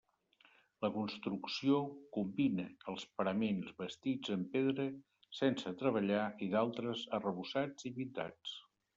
La construcció combina els paraments bastits en pedra sense treballar i d'altres arrebossats i pintats.